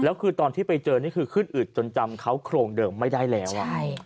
แล้วคือตอนที่ไปเจอนี่คือขึ้นอึดจนจำเขาโครงเดิมไม่ได้แล้ว